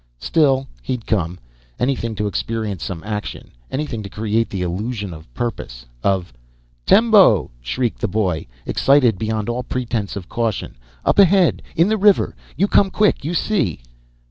Still, he'd come. Anything to experience some action, anything to create the illusion of purpose, of "Tembo!" shrieked the boy, excited beyond all pretense of caution. "Up ahead, in river. You come quick, you see!"